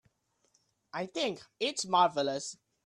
I think it's marvelous.